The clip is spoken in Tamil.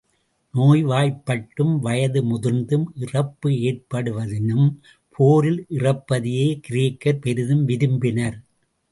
நோய் வாய்ப்பட்டும் வயது முதிர்ந்தும் இறப்பு ஏற்படுவதினும், போரில் இறப்பதையே கிரேக்கர் பெரிதும் விரும்பினர்.